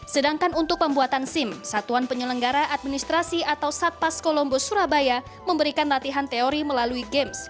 sedangkan untuk pembuatan sim satuan penyelenggara administrasi atau satpas kolombo surabaya memberikan latihan teori melalui games